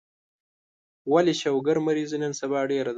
ولي شوګر مريضي نن سبا ډيره ده